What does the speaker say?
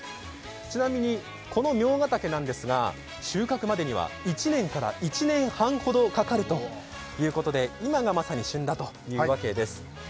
ちなみにこのミョウガダケなんですが収穫までには１年から１年半ほどかかるということで今がまさに旬だというわけです。